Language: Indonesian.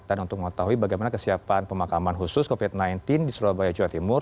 dan untuk mengetahui bagaimana kesiapan pemakaman khusus covid sembilan belas di surabaya jawa timur